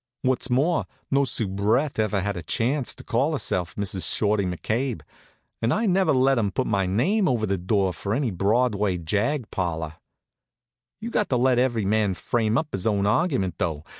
What's more, no soubrette ever had a chance to call herself Mrs. Shorty McCabe, and I never let 'em put my name over the door of any Broadway jag parlor. You got to let every man frame up his own argument, though.